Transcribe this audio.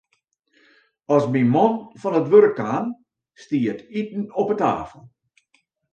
As myn man fan it wurk kaam, stie it iten op 'e tafel.